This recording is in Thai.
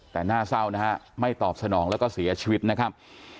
แต่น่าเศร้านะฮะไม่ตอบสนองแล้วก็เสียชีวิตนะครับ